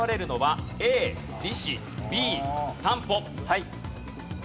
はい。